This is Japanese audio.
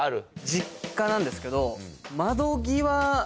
実家なんですけど。